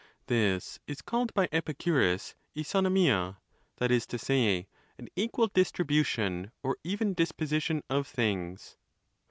This is called by Epi curus laovofxia ; that is to say, an equal distribution or even disposition of things.